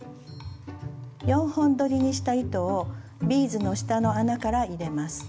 ４本どりにした糸をビーズの下の穴から入れます。